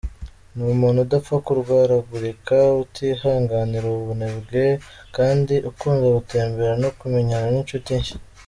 Ni umuntu udapfa kurwaragurika , utihanganira abanebwe kandi ukunda gutembera no kumenyana n’inshuti nshya.